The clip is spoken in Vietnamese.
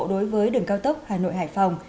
đối với đường cao tốc hà nội hải phòng